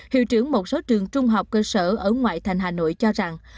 hiệu trưởng một số trường trung học cơ sở ở ngoại thành hà nội cho rằng